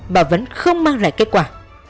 mà vẫn không mang lại kết quả